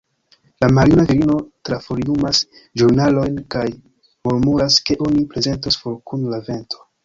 La maljuna virino trafoliumas ĵurnalojn kaj murmuras, ke oni prezentos For kun la vento.